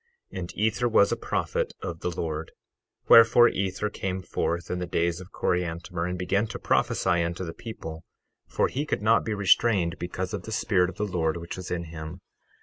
12:2 And Ether was a prophet of the Lord; wherefore Ether came forth in the days of Coriantumr, and began to prophesy unto the people, for he could not be restrained because of the Spirit of the Lord which was in him.